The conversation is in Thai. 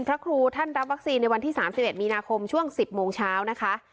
พระครูท่านรับวัคซีนในวันที่๓๑มีนาคมช่วง๑๐โมงเช้านะคะ